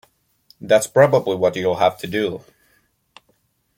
That's probably what you'll have to do.